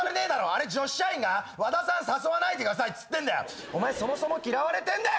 あれ女子社員が和田さん誘わないでくださいっつってんだ。お前そもそも嫌われてんだよ